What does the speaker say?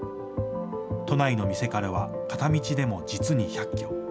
都内の店からは片道でも実に１００キロ。